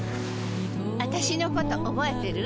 あたしのこと覚えてる？